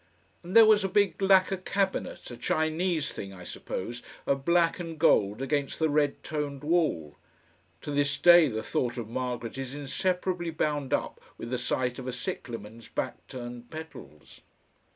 And there was a big lacquer cabinet, a Chinese thing, I suppose, of black and gold against the red toned wall. To this day the thought of Margaret is inseparably bound up with the sight of a cyclamen's back turned petals.